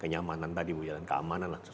kenyamanan tadi bu ya dan keamanan lah